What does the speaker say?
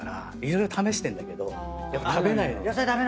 色々試してんだけどやっぱ食べないのよ。